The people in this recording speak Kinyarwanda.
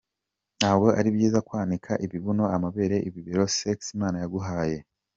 Ntabwo ari byiza kwanika ibibuno, amabere, ibibero, sex imana yaguhaye.